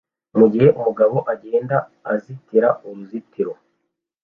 Mugihe umugabo agenda azitira uruzitiro